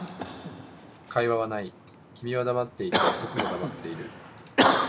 会話はない、君は黙っていて、僕も黙っている